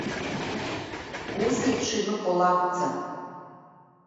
Ус еиԥш иныҟәо лакәӡам…